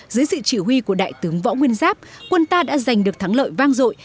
dưới sự chỉ huy của đại tướng võ nguyên giáp quân ta đã giành được thắng lợi vang dội